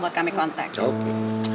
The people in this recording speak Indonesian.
buat kami kontak oke